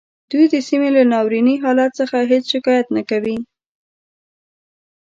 دوی د سیمې له ناوریني حالت څخه هیڅ شکایت نه کوي